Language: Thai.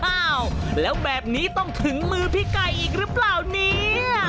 อ้าวแล้วแบบนี้ต้องถึงมือพี่ไก่อีกหรือเปล่าเนี่ย